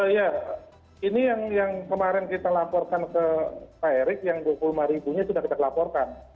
ya ini yang kemarin kita laporkan ke pak erik yang dua puluh lima ribunya sudah kita laporkan